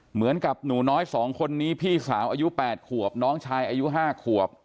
เหมือนกับหนูน้อย๒คนนี้พี่สาวอายุ๘ขวบน้องชายอายุ๕ขวบ